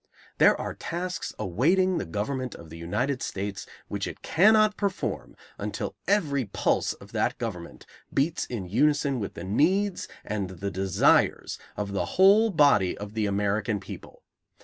There are tasks awaiting the government of the United States which it cannot perform until every pulse of that government beats in unison with the needs and the desires of the whole body of the American people.